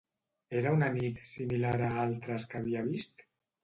Era una nit similar a altres que havia vist?